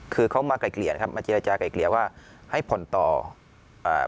คือเขามาไกลเกลี่ยครับมาเจรจากลายเกลี่ยว่าให้ผลต่ออ่า